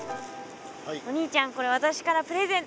お兄ちゃんこれ私からプレゼント。